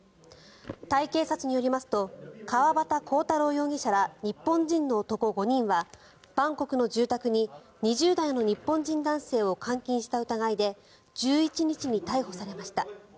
タイ警察によりますと川端浩太郎容疑者ら日本人の男５人はバンコクの住宅に２０代の日本人男性を監禁した疑いで１１日に逮捕されました。